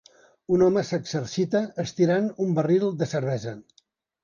Un home s'exercita estirant un barril de cervesa.